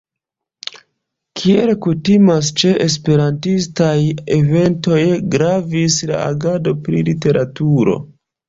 Kiel kutimas ĉe esperantaj eventoj gravis la agado pri literaturo.